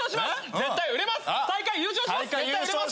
絶対売れます。